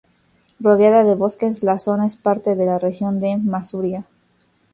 Rodeada de bosques, la zona es parte de la región de Masuria.